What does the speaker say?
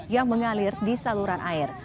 yang mengalir di saluran air